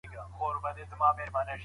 بیرته راغی له اسمانه خپل زندان ته